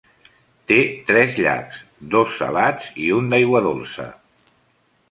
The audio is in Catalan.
Té tres llacs, dos salats i un d'aigua dolça.